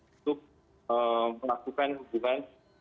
untuk melakukan hubungan